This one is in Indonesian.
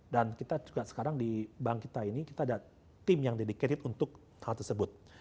dan kita juga sekarang di bank kita ini kita ada tim yang dedicated untuk hal tersebut